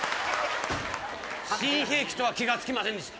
新兵器とは気が付きませんでした。